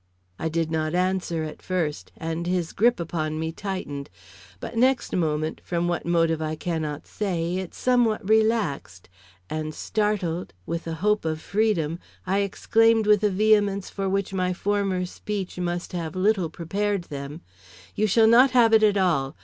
I did not answer at first, and his grip upon me tightened; but next moment, from what motive I cannot say, it somewhat relaxed; and, startled, with the hope of freedom, I exclaimed with a vehemence for which my former speech must have little prepared them: "You shall not have it at all.